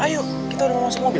ayo kita udah mau masuk mobil